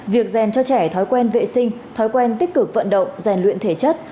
việc dèn cho trẻ thói quen vệ sinh thói quen tích cực vận động dèn luyện thể chất